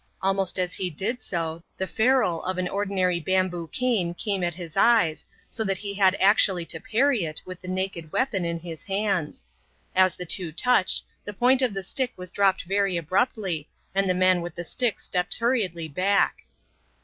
Almost as he did so the ferrule of an ordinary bamboo cane came at his eyes, so that he had actually to parry it with the naked weapon in his hands. As the two touched, the point of the stick was dropped very abruptly, and the man with the stick stepped hurriedly back.